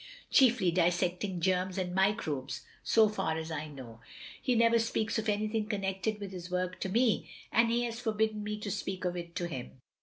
Chiefly dissecting germs and microbes, so far as I know. He never speaks of anything connected with his work to me, and he has forbidden me to speak of it to him.